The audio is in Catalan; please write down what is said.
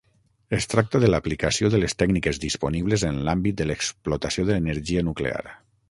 Es tracta de l'aplicació de les tècniques disponibles en l'àmbit de l'explotació d'energia nuclear.